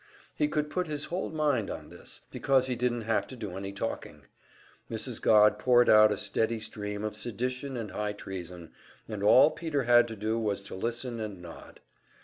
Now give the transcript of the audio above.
He could put his whole mind on this, because he didn't have to do any talking; Mrs. Godd poured out a steady stream of sedition and high treason, and all Peter had to do was to listen and nod.